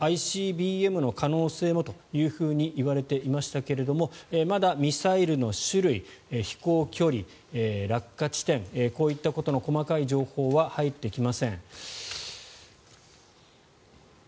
ＩＣＢＭの可能性もといわれていましたがまだミサイルの種類、飛行距離、落下地点こういったことの細かい情報は入ってきません。